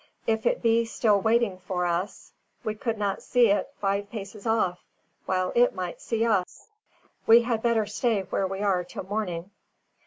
If it be still waiting for us, we could not see it five paces off, while it might see us. We had better stay when we are till morning."